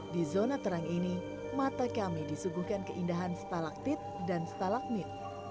di zona terang ini mata kami disuguhkan keindahan stalaktit dan stalakmit